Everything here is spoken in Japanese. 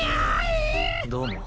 どうも。